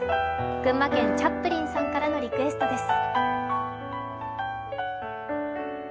群馬県・チャップリンさんからのリクエストです。